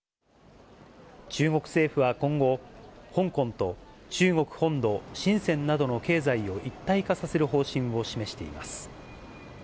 中国政府は今後、香港と中国本土、深せんなどの経済を一体化させる方針を示しています。